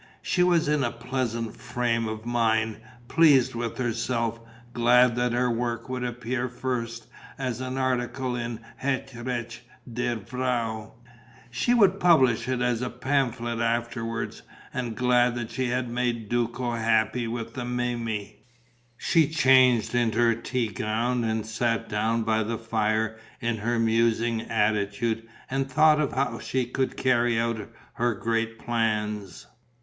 She was in a pleasant frame of mind, pleased with herself, glad that her work would appear first as an article in Het Recht der Vrouw she would publish it as a pamphlet afterwards and glad that she had made Duco happy with the Memmi. She changed into her tea gown and sat down by the fire in her musing attitude and thought of how she could carry out her great plans.